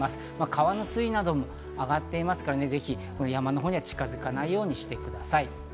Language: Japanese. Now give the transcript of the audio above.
川の水位なども上がっていますから、ぜひ山のほうに近づかないようにしてください。